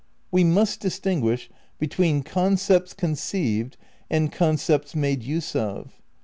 We must distinguish between concepts conceived and concepts made use of.